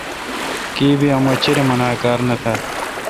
کیبی اما چریم انا کار نہ تال۔